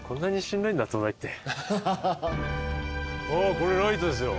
これライトですよ